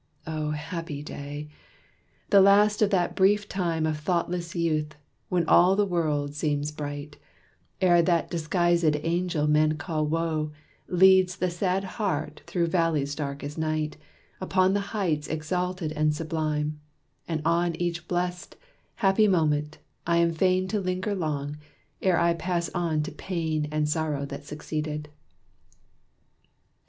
Oh, happy day! the last of that brief time Of thoughtless youth, when all the world seems bright, Ere that disguisèd angel men call Woe Leads the sad heart through valleys dark as night, Up to the heights exalted and sublime. On each blest, happy moment, I am fain To linger long, ere I pass on to pain And sorrow that succeeded.